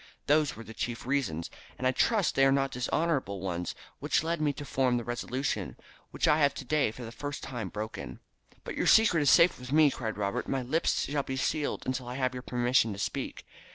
Those were the chief reasons, and I trust that they are not dishonourable ones, which led me to form the resolution, which I have today for the first time broken." "But your secret is safe with me," cried Robert. "My lips shall be sealed until I have your permission to speak."